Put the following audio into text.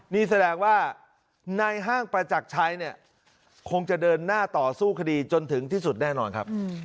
นี่แสดงว่าในห้างประจักรชัยเนี่ยคงจะเดินหน้าต่อสู้คดีจนถึงที่สุดแน่นอนครับ